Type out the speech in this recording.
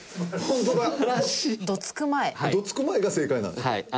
どつく前が正解なんですね。